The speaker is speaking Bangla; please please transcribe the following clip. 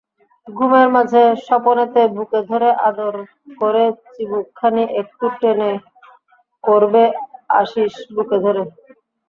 ঘুমের মাঝে স্বপনেতে বুকে ধরে আদর করেচিবুকখানি একটু টেনে করবে আশিস বুকে ধরে।